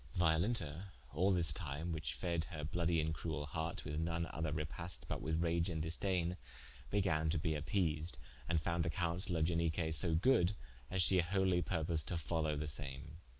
Violenta all this time which fed her bloudie and cruell harte with none other repaste but with rage and disdaine, began to bee appeased, and founde the counsaile of Ianique so good, as she wholy purposed to follow the same.